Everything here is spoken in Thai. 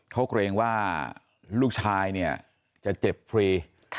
เขาเกรงว่าลูกชายเนี่ยจะเจ็บฟรี